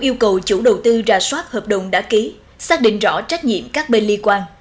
yêu cầu chủ đầu tư ra soát hợp đồng đã ký xác định rõ trách nhiệm các bên liên quan